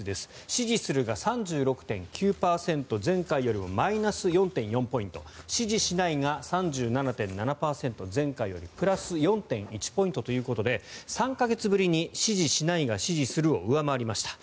支持するが３６．９％前回よりもマイナス４．４ポイント支持しないが３７．７％前回よりプラス４．１ポイントということで３か月ぶりに支持するが支持しないを上回りました。